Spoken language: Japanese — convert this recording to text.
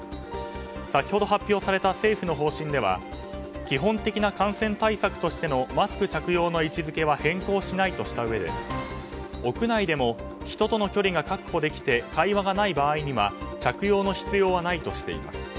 先ほど発表された政府の方針では基本的な感染対策としてのマスク着用の位置づけは変更しないとしたうえで屋内でも人との距離が確保できて会話がない場合には着用の必要はないとしています。